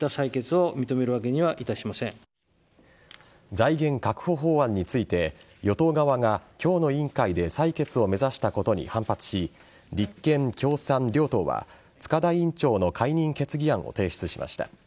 財源確保法案について野党側が今日の委員会で採決を目指したことに反発し立憲・共産両党は塚田委員長の解任決議案を提出しました。